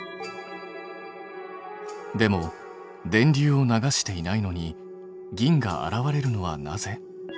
でも電流を流していないのに銀が現れるのはなぜ？